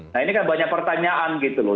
nah ini kan banyak pertanyaan gitu loh